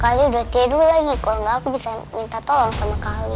kali udah tidur lagi kalau nggak bisa minta tolong sama kali